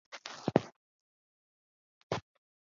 蒙特盖拉尔。